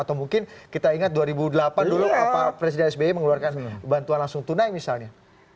atau mungkin kita ingat dua ribu delapan dulu pak presiden sby mengeluarkan bantuan langsung tunai misalnya